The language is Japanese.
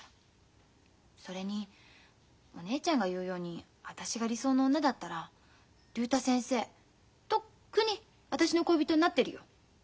それにお姉ちゃんが言うように私が理想の女だったら竜太先生とっくに私の恋人になってるよ。